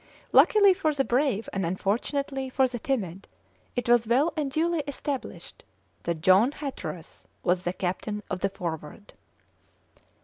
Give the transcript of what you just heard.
Luckily for the brave and unfortunately for the timid, it was well and duly established that John Hatteras was the captain of the Forward.